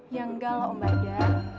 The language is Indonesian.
ya enggak loh mbak ida